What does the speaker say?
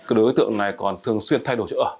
các đối tượng này còn thường xuyên thay đổi chỗ ở